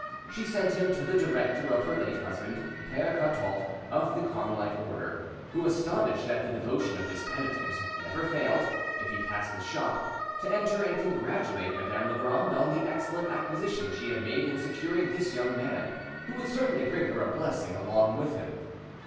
She sent him to the director of her late husband, Pere Cartault, of the Carmelite order, who, astonished at the devotion of his penitent, never failed, if he passed the shop, to enter and congratulate Madame Legrand on the excellent acquisition she had made in securing this young man, who would certainly bring her a blessing along with him.